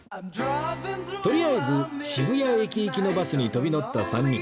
とりあえず渋谷駅行きのバスに飛び乗った３人